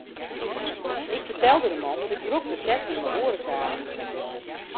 Ik fertelde de man dat ik drok beset wie mei oare saken.